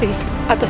iya siap raden